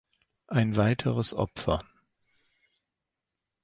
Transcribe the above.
Ein weiteres Opfer.